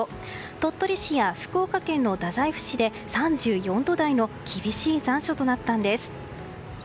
鳥取市や福岡県の太宰府市で３４度台の厳しい残暑となったんです。